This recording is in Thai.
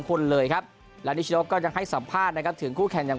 คนเลยครับและนิชโนก็ยังให้สัมภาษณ์นะครับถึงคู่แข่งอย่าง